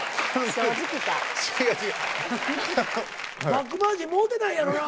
バックマージンもろうてないやろな？